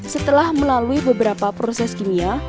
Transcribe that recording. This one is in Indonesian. setelah melalui beberapa proses kimia